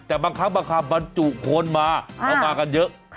แต่บางครั้งบางคำบรรจุคนมาเอามากันเยอะ